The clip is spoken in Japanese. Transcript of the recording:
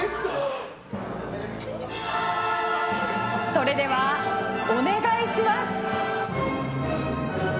それでは、お願いします。